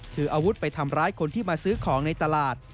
ถืออาวุธไปทำร้ายคนที่มาซื้อของในตลาด